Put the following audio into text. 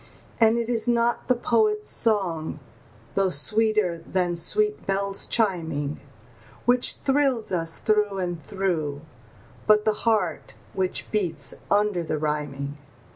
And it is not the poet's song, though sweeter than sweet bells chiming, Which thrills us through and through, but the heart which beats under the rhyming.